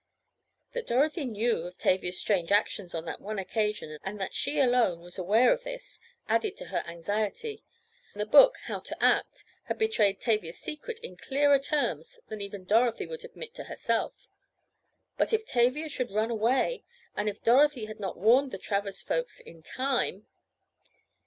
That Dorothy knew of Tavia's strange actions on that one occasion, and that she alone, was aware of this, added to the anxiety. The book "How to Act" had betrayed Tavia's secret in clearer terms than even Dorothy would admit to herself. But if Tavia should run away! And if Dorothy had not warned the Travers folks in time!